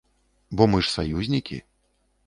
Бо мы ж саюзнікі!